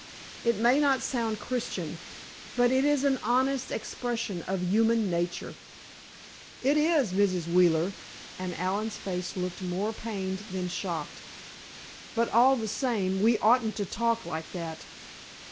It may not sound Christian—but it is an honest expression of human nature." "It is, Mrs. Wheeler," and Allen's face looked more pained than shocked. "But, all the same, we oughtn't to talk like that."